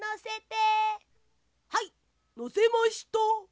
はいのせました！